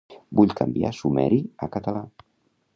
Vull canviar sumeri a català.